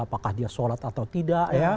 apakah dia sholat atau tidak